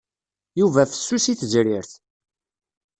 Yuba fessus i tezrirt.